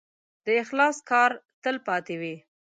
د اخلاص کار تل پاتې وي.